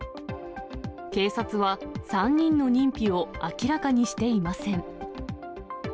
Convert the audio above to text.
警察は、３人の認否を明らかにしていません。